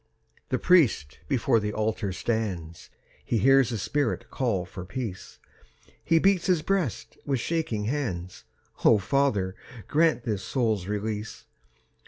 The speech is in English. The priest before the altar stands, He hears the spirit call for peace; He beats his breast with shaking hands. "O Father, grant this soul's release.